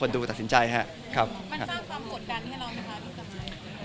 มันสร้างความกดดันให้เราไหมคะพี่กับชัย